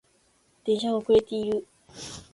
電車が遅れている